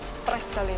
stress kali ya